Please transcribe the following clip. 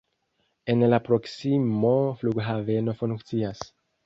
En la proksimo flughaveno funkcias.